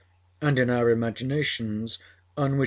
And in our imaginations, on which M.